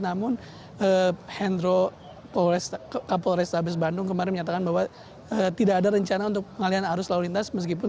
namun hendro kapol restabes bandung kemarin menyatakan bahwa tidak ada rencana untuk pengalian arus lalu lintas